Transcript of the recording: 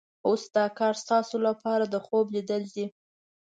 اوس دا کار ستاسو لپاره د خوب لیدل دي.